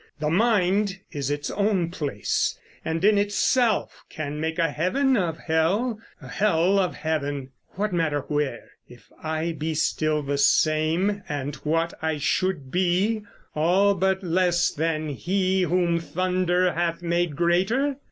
The mind is its own place, and in itself Can make a Heaven of Hell, a Hell of Heaven. What matter where, if I be still the same, And what I should be, all but less than he Whom thunder hath made greater?